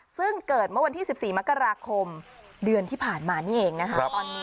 ซึ่งเกิดเมื่อวันที่๑๔มกราคมเดือนที่ผ่านมานี่เองนะคะ